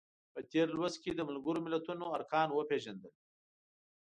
په تېر لوست کې د ملګرو ملتونو ارکان وپیژندل.